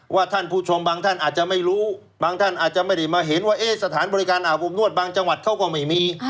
ท่านผู้ชมบางท่านอาจจะไม่รู้บางท่านอาจจะไม่ได้มาเห็นว่าสถานบริการอาบอบนวดบางจังหวัดเขาก็ไม่มี